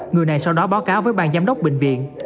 người này sau đó báo cáo với bang giám đốc bệnh viện